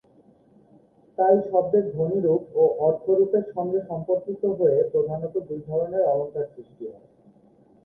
তাই শব্দের ধ্বনিরূপ ও অর্থরূপের সঙ্গে সম্পর্কিত হয়ে প্রধানত দু ধরনের অলঙ্কার সৃষ্টি হয়।